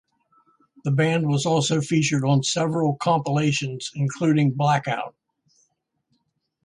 The band was also featured on several compilations, including Blackout!